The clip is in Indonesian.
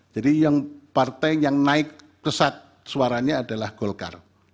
jadi yang partai yang naik pesat suaranya adalah golkar